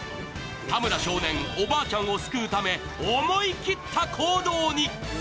田村少年、おばあちゃんを救うため思い切った行動に。